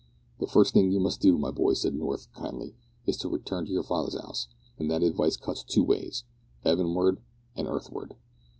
"The first thing you must do, my boy," said North, kindly, "is to return to your father's 'ouse; an' that advice cuts two ways 'eaven ward an' earth ward."